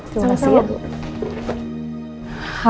terima kasih ya bu